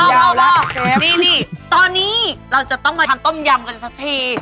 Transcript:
นี่ตอนนี้เราจะต้องมาทำต้มยำกันสักที